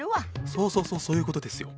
そうそうそうそういうことですよ。